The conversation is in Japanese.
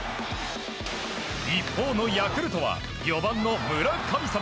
一方のヤクルトは４番の村神様